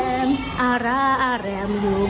กระด่างกระด่างด่างแม่ดินแม่สะ